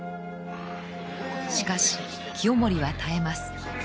しかし清盛は耐えます。